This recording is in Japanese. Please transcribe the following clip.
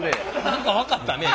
何か分かったね